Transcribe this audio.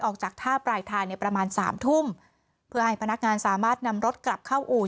ออกจากท่าปลายทางในประมาณสามทุ่มเพื่อให้พนักงานสามารถนำรถกลับเข้าอู่